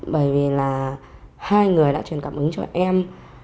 bởi vì là hai người đã truyền cảm hứng cho em